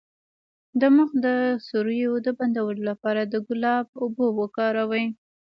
د مخ د سوریو د بندولو لپاره د ګلاب اوبه وکاروئ